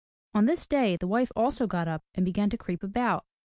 On this day the wife also got up and began to creep about.